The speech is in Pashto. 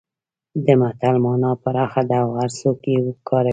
د متل مانا پراخه ده او هرڅوک یې کاروي